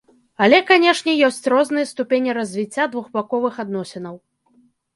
Але канечне, ёсць розныя ступені развіцця двухбаковых адносінаў.